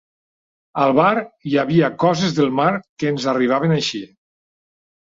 Al bar hi havia coses del mar que ens arribaven així.